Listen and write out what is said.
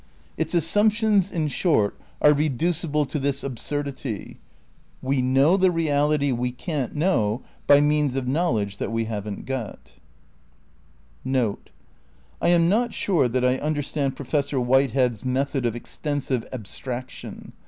Its assumptions, in short, are reducible to this ab surdity : We know the reality we can't know by means of knowledge that we haven't got, NOTE: — I am not sure that I understand Professor Whitehead's "Method of Extensive Abstraction."